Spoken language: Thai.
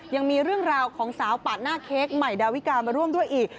ยังมีเรื่องราวของสาวปาดหน้าเค้กใหม่ดาวิกามาร่วมด้วยอีก